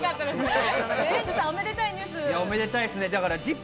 おめでたいですね、『ＺＩＰ！』